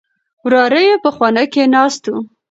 وراره يې په خونه کې ناست و.